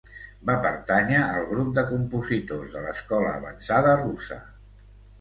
Va pertànyer al grup de compositors de l'escola avançada russa.